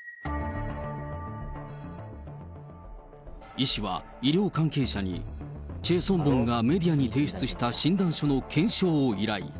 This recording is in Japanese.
イ氏は、医療関係者にチェ・ソンボンがメディアに提出した診断書の検証を依頼。